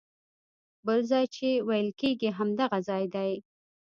بل ځای چې ویل کېږي همدغه ځای دی.